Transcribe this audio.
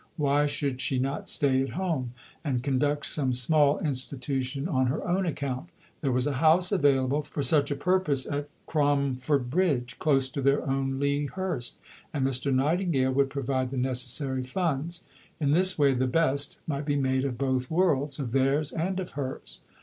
Why should she not stay at home, and conduct some small institution on her own account? There was a house available for such a purpose at Cromford Bridge, close to their own Lea Hurst, and Mr. Nightingale would provide the necessary funds. In this way the best might be made of both worlds of theirs, and of hers.